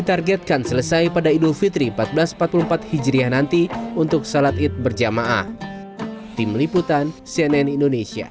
masjid cia kang ho diberikan kemampuan untuk menjaga kemampuan masjid